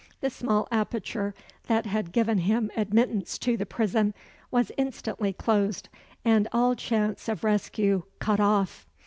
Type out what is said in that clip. The small aperture that had given him admittance to the prison was instantly closed, and all chance of rescue cut off.